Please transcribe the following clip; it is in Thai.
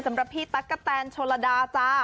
สำหรับพี่ตั๊กกะแตนโชลดาจ้า